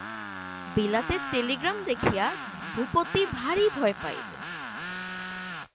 বিলাতের telegram দেখিয়া ভূপতি ভারি ভয় পাইল।